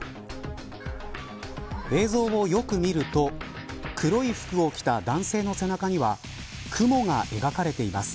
映像をよく見ると黒い服を着た男性の背中にはクモが描かれています。